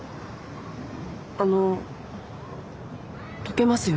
あのとけますよ。